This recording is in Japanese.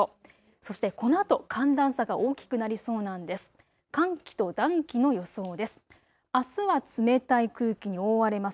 そしてこのあと、寒暖差が大きくなりそうなんです。